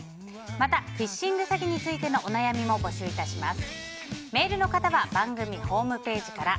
またフィッシング詐欺についてのお悩みも募集いたします。